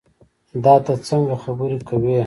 دا تۀ څنګه خبرې کوې